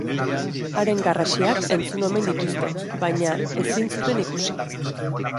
Haren garrasiak entzun omen dituzte, baina ezin zuten ikusi.